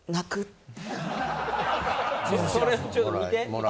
それちょっと見て見て。